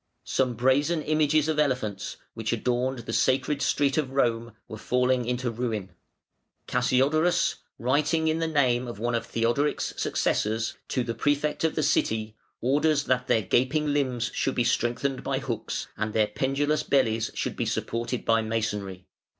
Some brazen images of elephants which adorned the Sacred Street of Rome were falling into ruin, Cassiodorus, writing in the name of one of Theodoric's successors, to the Prefect of the City, orders that their gaping limbs should be strengthened by hooks, and their pendulous bellies should be supported by masonry.